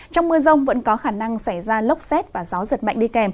trong mưa rông vẫn có khả năng xảy ra lốc xét và gió giật mạnh đi kèm